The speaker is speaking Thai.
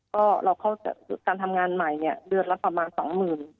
ก็เราเข้าจากการทำงานใหม่เนี่ยเดือนละประมาณสองหมื่น